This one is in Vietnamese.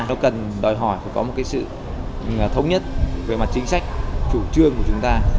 nó cần đòi hỏi phải có một cái sự thống nhất về mặt chính sách chủ trương của chúng ta